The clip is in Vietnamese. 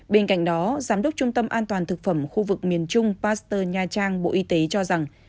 bên cạnh đó giám đốc trung tâm an toàn thực phẩm khu vực miền trung pasteur nha trang bộ y tế cho rằng